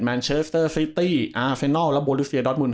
เชอสเตอร์ซิตี้อาเซนอลและโบลิเซียดอสมุน